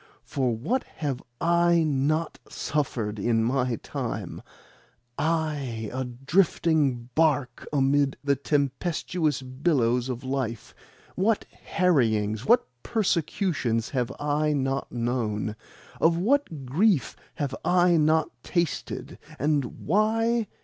For what have I not suffered in my time I, a drifting barque amid the tempestuous billows of life? What harryings, what persecutions, have I not known? Of what grief have I not tasted? And why?